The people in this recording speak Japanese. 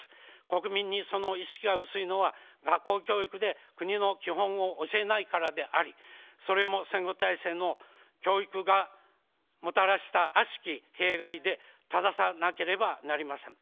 国民にその意識が薄いのは学校教育で国の基本を教えないからであり、それも戦後体制の教育がもたらした悪しき弊害でたださなければなりません。